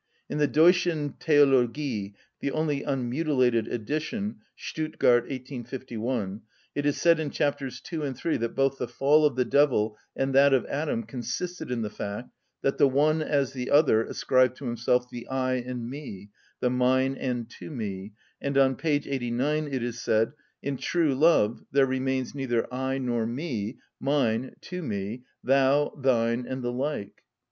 In the "Deutschen Theologie" (the only unmutilated edition, Stuttgart, 1851) it is said in chapters 2 and 3 that both the fall of the devil and that of Adam consisted in the fact that the one as the other ascribed to himself the I and me, the mine and to me, and on p. 89 it is said: "In true love there remains neither I nor me, mine, to me, thou, thine, and the like."